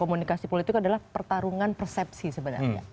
komunikasi politik adalah pertarungan persepsi sebenarnya